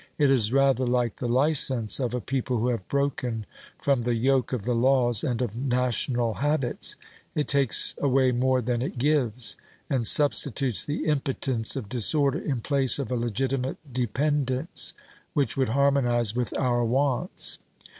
It is rather like the licence of a people who have broken from the yoke of the laws and of national habits ; it takes away more than it gives, and substitutes the impotence of disorder in place of a legitimate dependence which would harmonise with our wants.